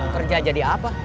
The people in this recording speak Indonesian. kerja jadi apa